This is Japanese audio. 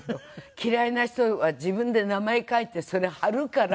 「嫌いな人は自分で名前書いてそれ貼るから」